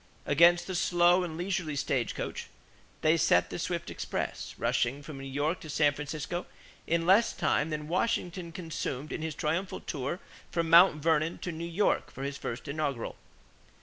Against the slow and leisurely stagecoach, they set the swift express, rushing from New York to San Francisco in less time than Washington consumed in his triumphal tour from Mt. Vernon to New York for his first inaugural.